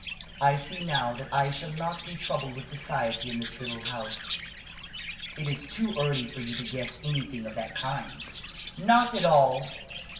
I see now that I shall not be troubled with society in this little house." "It is too early for you to guess anything of that kind." "Not at all!